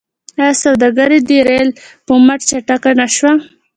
آیا سوداګري د ریل په مټ چټکه نشوه؟